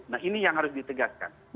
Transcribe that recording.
nah ini yang harus ditegaskan